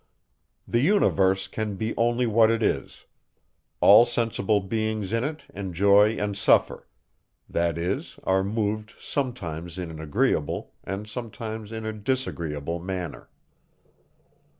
The universe can be only what it is; all sensible beings in it enjoy and suffer; that is, are moved sometimes in an agreeable, and sometimes in a disagreeable manner.